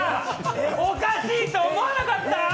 おかしいと思わなかった？